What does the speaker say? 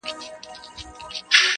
• د ونو سیوري تاریک کړی وو -